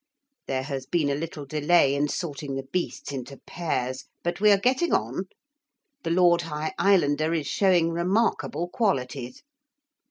There has been a little delay in sorting the beasts into pairs. But we are getting on. The Lord High Islander is showing remarkable qualities.